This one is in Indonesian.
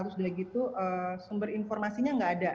terus dia gitu sumber informasinya gak ada